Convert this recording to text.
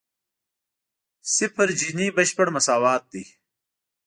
صفر جیني بشپړ مساوات دی.